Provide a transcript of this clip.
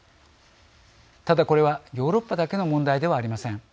ただ、これはヨーロッパだけの問題ではありません。